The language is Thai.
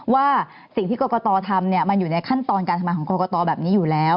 ว่าสิ่งที่กรกตทำมันอยู่ในขั้นตอนการทำงานของกรกตแบบนี้อยู่แล้ว